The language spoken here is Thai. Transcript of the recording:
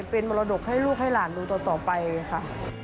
เป็นมรดกให้ลูกให้หลานดูต่อไปค่ะ